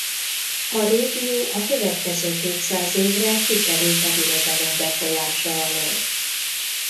A régió a következő kétszáz évre kikerült a birodalom befolyása alól.